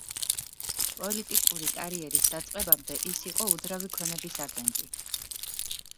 პოლიტიკური კარიერის დაწყებადე ის იყო უძრავი ქონების აგენტი.